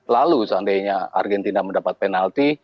lalu seandainya argentina mendapat penalti